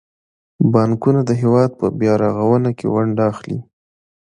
بانکونه د هیواد په بیارغونه کې ونډه اخلي.